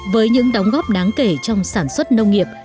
với những đóng góp đáng kể trong sản xuất nông nghiệp